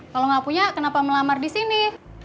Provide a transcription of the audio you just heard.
kalau gak punya kenapa melamar disini